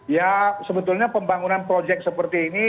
ya sebetulnya pembangunan proyek seperti ini